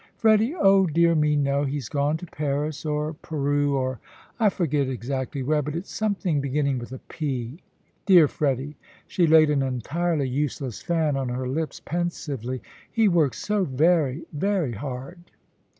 "Freddy? Oh, dear me, no. He's gone to Paris, or Peru, or I forget exactly where but it's something beginning with a 'P.' Dear Freddy," she laid an entirely useless fan on her lips, pensively, "he works so very, very hard."